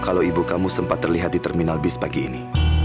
kalau ibu kamu sempat terlihat di terminal bis pagi ini